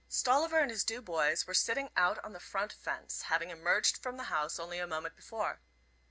Stolliver and his two boys were sitting out on the front fence, having emerged from the house only a moment before.